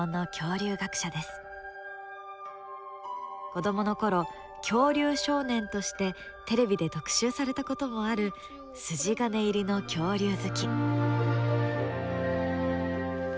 子どもの頃恐竜少年としてテレビで特集されたこともある筋金入りの恐竜好き。